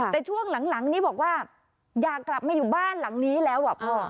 แต่ช่วงหลังนี้บอกว่าอยากกลับมาอยู่บ้านหลังนี้แล้วอ่ะพ่อ